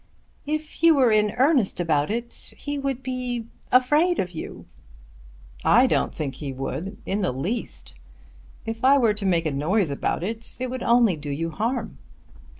"If you were in earnest about it he would be afraid of you." "I don't think he would in the least. If I were to make a noise about it, it would only do you harm.